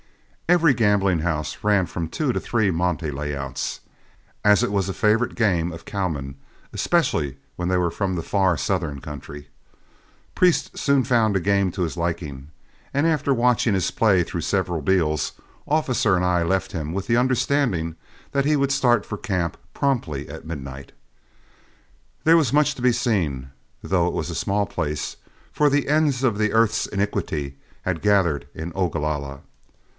Every gambling house ran from two to three monte layouts, as it was a favorite game of cowmen, especially when they were from the far southern country. Priest soon found a game to his liking, and after watching his play through several deals, Officer and I left him with the understanding that he would start for camp promptly at midnight. There was much to be seen, though it was a small place, for the ends of the earth's iniquity had gathered in Ogalalla.